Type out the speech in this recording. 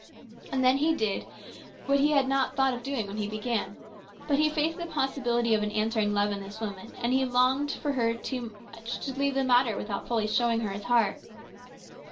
And then he did what he had not thought of doing when he began. But he faced the possibility of an answering love in this woman, and he longed for her too much to leave the matter without fully showing her his heart.